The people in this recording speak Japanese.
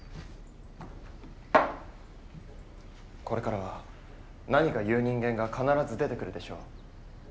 これからは何か言う人間が必ず出てくるでしょう。